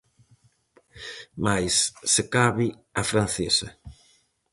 Máis, se cabe, a francesa.